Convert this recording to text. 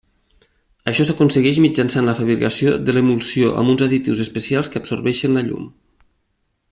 Això s'aconsegueix mitjançant la fabricació de l'emulsió amb uns additius especials que absorbeixen la llum.